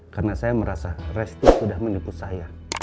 karena saya merasa resty sudah menipu saya